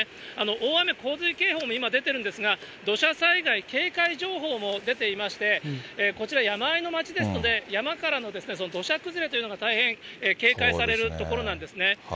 大雨洪水警報も今、出ているんですが、土砂災害警戒情報も出ていまして、こちら、山あいの町ですので、山からの土砂崩れというのが大変警戒される所なんですね。